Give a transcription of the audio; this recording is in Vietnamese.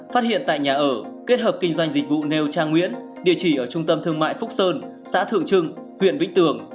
phát hiện tại nhà ở kết hợp kinh doanh dịch vụ nêu trang nguyễn địa chỉ ở trung tâm thương mại phúc sơn xã thượng trưng huyện vĩnh tường